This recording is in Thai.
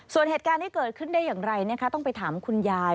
ส่วนเหตุการณ์ที่เกิดขึ้นได้อย่างไรนะคะต้องไปถามคุณยาย